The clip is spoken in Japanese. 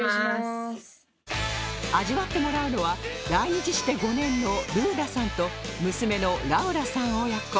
味わってもらうのは来日して５年のルーダさんと娘のラウラさん親子